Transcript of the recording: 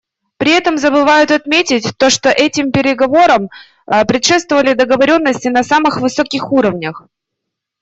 При этом забывают отметить то, что этим переговорам предшествовали договоренности на самых высоких уровнях.